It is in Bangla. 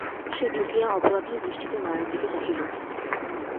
সে ঢুকিয়া অপরাধীর দৃষ্টিতে মায়ের দিকে চাহিল।